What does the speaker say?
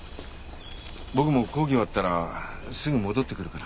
僕も講義終わったらすぐ戻ってくるから。